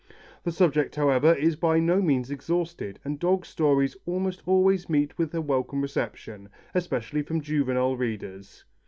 The subject, however, is by no means exhausted, and dog stories almost always meet with a welcome reception, especially from juvenile readers.